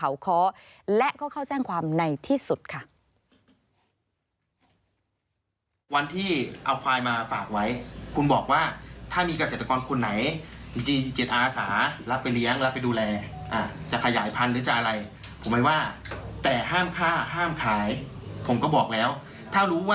และเขาเข้าแจ้งความในที่สุดค่ะ